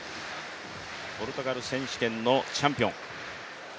ポルトガル選手権のチャンピオン。